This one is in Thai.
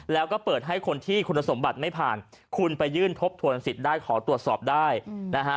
แล้วก็เปิดให้คนที่คุณสมบัติไม่ผ่านคุณไปยื่นทบทวนสิทธิ์ได้ขอตรวจสอบได้นะฮะ